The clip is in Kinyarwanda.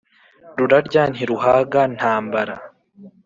Rurarya ntiruhaga ntambara